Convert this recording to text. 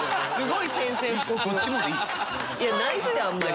いやないってあんまり。